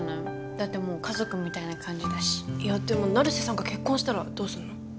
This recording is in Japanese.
だってもう家族みたいな感じだしいやでも成瀬さんが結婚したらどうするの？